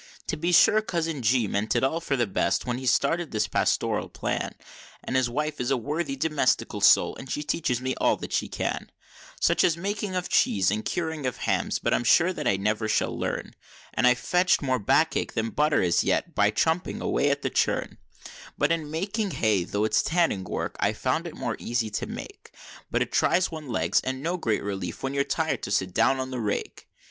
To be sure cousin G. meant it all for the best when he started this pastoral plan, And his wife is a worthy domestical soul and she teaches me all that she can, Such as making of cheese, and curing of hams, but I'm sure that I never shall learn, And I've fetched more back ache than butter as yet by chumping away at the churn; But in making hay, tho' it's tanning work, I found it more easy to make, But it tries one's legs, and no great relief when you're tired to sit down on the rake.